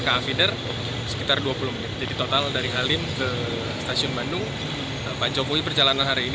keafir sekitar dua puluh menit total dari halim ke stasiun bandung banjokowi perjalanan hari ini